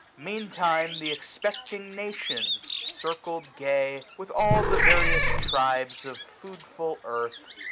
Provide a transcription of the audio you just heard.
Mean time th' expecting nations, circled gay. With all the various tribes of foodful earth.